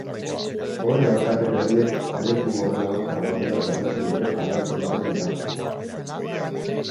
Horien alkate berriek proiektu horren aurka daudela berretsi dute adierazpen baten bitartez.